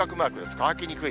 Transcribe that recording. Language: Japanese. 乾きにくい。